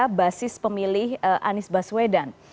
pada basis pemilih anies baswedan